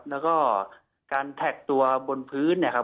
แล้วก็การแท็กตัวบนพื้นเนี่ยครับ